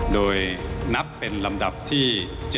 โดยนับเป็นลำดับที่๗